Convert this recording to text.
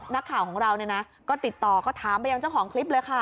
นักข่าวของเราก็ติดต่อก็ถามไปยังเจ้าของคลิปเลยค่ะ